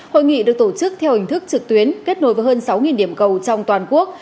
hội nghị được tổ chức theo hình thức trực tuyến kết nối với hơn sáu điểm cầu trong toàn quốc